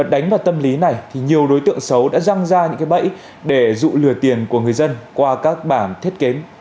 đánh vào tâm lý này nhiều đối tượng xấu đã răng ra những bẫy để dụ lừa tiền của người dân qua các bản thiết kế ảo trên mạng xã hội